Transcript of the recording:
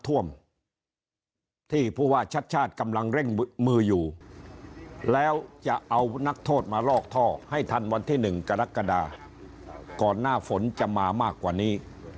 วันที่๑กรกฎาก่อนหน้าฝนจะมามากกว่านี้